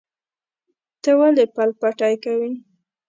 ته ولې پل پتی کوې؟